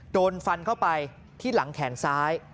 โดนฟันเข้าไปที่หลังแขนซ้าย